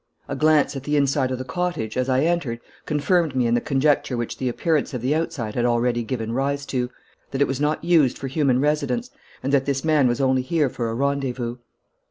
A glance at the inside of the cottage, as I entered, confirmed me in the conjecture which the appearance of the outside had already given rise to, that it was not used for human residence, and that this man was only here for a rendezvous.